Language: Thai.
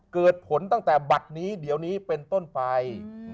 เกิดผลตั้งแต่บัตรนี้เดี๋ยวนี้เป็นต้นไป